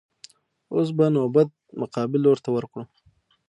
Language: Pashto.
اوس به نوبت مقابل لور ته ورکړو.